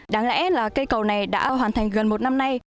đáng lẽ là cây cầu này đã hoàn thành gần một năm nay